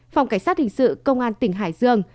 phòng cảnh sát hình sự công an tỉnh hải dương